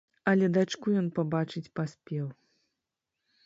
Але дачку ён пабачыць паспеў.